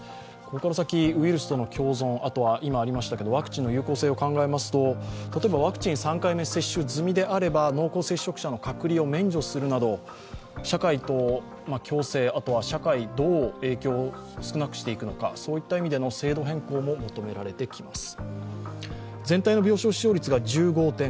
ここから先、ウイルスとの共存、ワクチンの有効性を考えますと、例えばワクチン３回目接種済みであれば濃厚接触者の隔離を免除するなど、社会と共生、あとは社会へのどう影響を少なくしていくのか、そういった意味での制度変更も求められてきます。